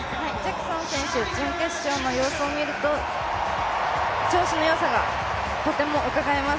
準決勝の様子を見ると調子の良さがとてもうかがえます。